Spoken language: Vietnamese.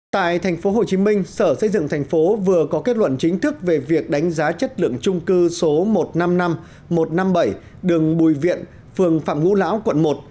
tại thành phố hồ chí minh sở xây dựng thành phố vừa có kết luận chính thức về việc đánh giá chất lượng trung cư số một trăm năm mươi năm một trăm năm mươi bảy đường bùi viện phường phạm ngũ lão quận một